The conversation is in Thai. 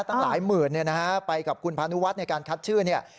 ตั้งหลายหมื่นเนี่ยนะฮะไปกับคุณพานุวัฒน์ในการคัดชื่อเนี่ย